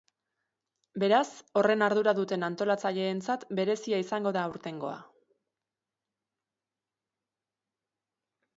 Beraz, horren ardura duten antolatzaileentzat berezia izango da aurtengoa.